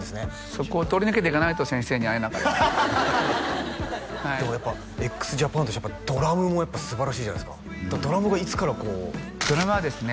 そこを通り抜けていかないと先生に会えなかったはいでもやっぱＸＪＡＰＡＮとしてはドラムもやっぱすばらしいじゃないですかだからドラムがいつからこうドラムはですね